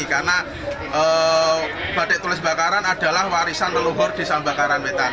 karena batik tulis bakaran adalah warisan leluhur desa bakaran wutan